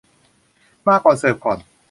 มาก่อน เสิร์ฟก่อน